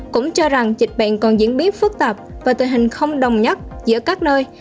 cũng cho rằng dịch bệnh còn diễn biến phức tạp và tình hình không đồng nhất giữa các nơi